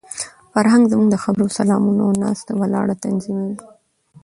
فرهنګ زموږ د خبرو، سلامونو او ناسته ولاړه تنظیموي.